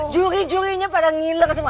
juri jurinya pada ngileng semua